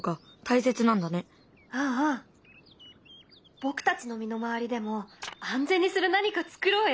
僕たちの身の回りでも安全にする何か作ろうよ！